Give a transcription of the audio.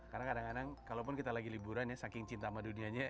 karena kadang kadang kalau pun kita lagi liburan ya saking cinta sama dunianya